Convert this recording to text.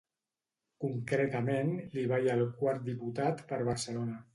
Concretament, li balla el quart diputat per Barcelona.